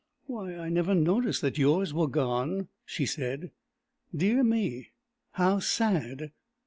" Why, I never noticed that yours were gone," she said. " Dear me ! how sad